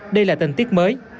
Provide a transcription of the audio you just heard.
đây là tình tiết mới